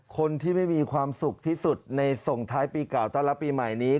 คนที่ไม่มีความสุขที่สุดในส่งท้ายปีเก่าต้อนรับปีใหม่นี้